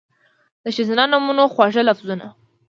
د ښځېنه نومونو، خواږه لفظونه